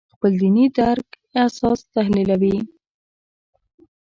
خپل دیني درک اساس تحلیلوي.